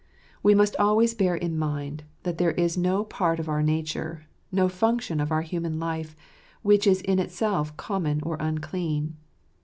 We must always bear in mind that there is no part of our nature, no function of our human life, which is in itself common or unclean.